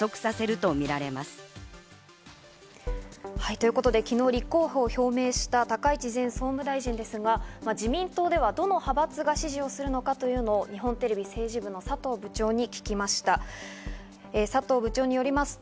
ということで昨日、立候補を表明した高市前総務大臣ですが、自民党ではどの派閥が支持をするのかというのを日本テレビ政治部の佐藤部長に聞きました。